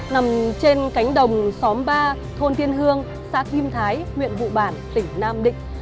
nằm trên cánh đồng xóm ba thôn tiên hương xã kim thái huyện vụ bản tỉnh nam định